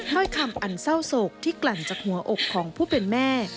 ้อยคำอันเศร้าโศกที่กลั่นจากหัวอกของผู้เป็นแม่